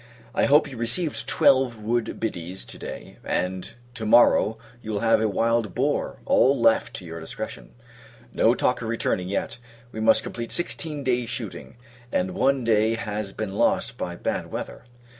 I hope you received twelve wood biddies, to day; and, to morrow, you will have a wild boar: all left to your discretion. No talk of returning, yet. We must complete sixteen days shooting, and one day has been lost by bad weather.